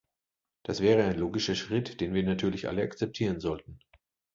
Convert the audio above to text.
Das wäre ein logischer Schritt, den wir natürlich alle akzeptieren sollten.